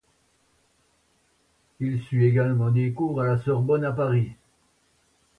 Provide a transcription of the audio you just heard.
Il suit également des cours à la Sorbonne à Paris.